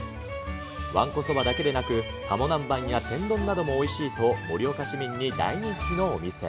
わんこそばだけでなく、かもなんばんや天丼などもおいしいと、盛岡市民に大人気のお店。